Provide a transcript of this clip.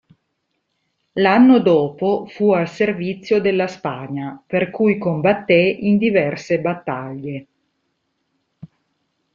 L'anno dopo fu al servizio della Spagna, per cui combatté in diverse battaglie.